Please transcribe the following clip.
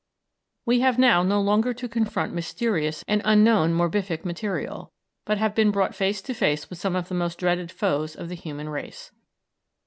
We have now no longer to confront mysterious and unknown morbific material, but have been brought face to face with some of the most dreaded foes of the human race.